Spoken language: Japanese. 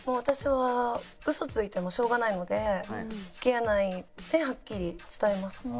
私はウソついてもしょうがないので「付き合えない」ってはっきり伝えます。